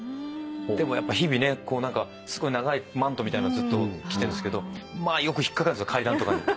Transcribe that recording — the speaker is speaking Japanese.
でもやっぱ日々ねすごい長いマントみたいなずっと着てんですけどよく引っ掛かるんすよ階段とかに。